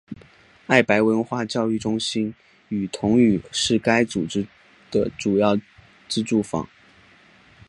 爱白文化教育中心与同语是该组织的主要资助方。